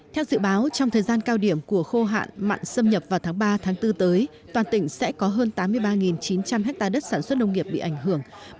theo dự báo trong thời gian cao điểm của khô hạn mặn xâm nhập vào tháng ba bốn tới toàn tỉnh sẽ có hơn tám mươi ba chín trăm linh hectare đất sản xuất nông nghiệp bị ảnh hưởng